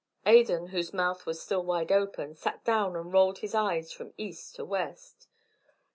Adan, whose mouth was still wide open, sat down and rolled his eyes from east to west.